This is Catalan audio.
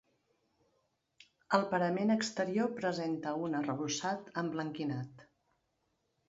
El parament exterior presenta un arrebossat emblanquinat.